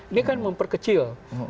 ini kan memperkecil